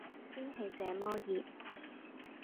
天氣這麼熱